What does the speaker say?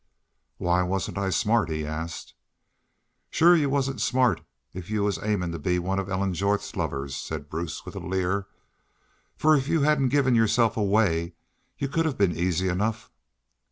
"'Why wasn't I smart?' he asked. "'Shore y'u wasn't smart if y'u was aimin' to be one of Ellen Jorth's lovers,' said Bruce, with a leer. 'Fer if y'u hedn't give y'urself away y'u could hev been easy enough.'